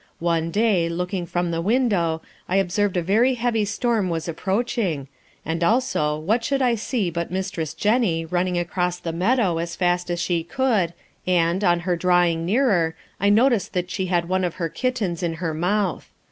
One day, looking from the window, I observed a very heavy storm was approaching, and also, what should I see but Mistress 'Jenny' running across the meadow as fast as she could, and, on her drawing nearer, I noticed that she had one of her kittens in her mouth.